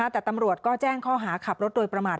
แต่ตำรวจก็แจ้งข้อหาขับรถโดยประมาท